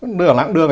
nửa lãng đường